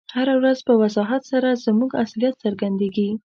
هره ورځ په وضاحت سره زموږ اصلیت څرګندیږي.